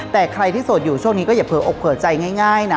แต่ใครที่โสดอยู่ช่วงนี้ก็อย่าเผลอกเผลอใจง่ายนะ